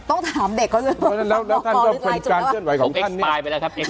ต้องถามเด็กเขาแล้วท่านว่าเป็นการเคลื่อนไหวของท่านเนี่ย